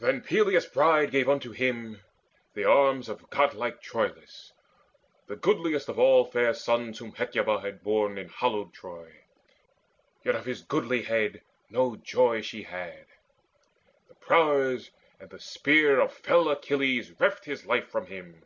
Then Peleus' bride gave unto him the arms Of godlike Troilus, the goodliest Of all fair sons whom Hecuba had borne In hallowed Troy; yet of his goodlihead No joy she had; the prowess and the spear Of fell Achilles reft his life from him.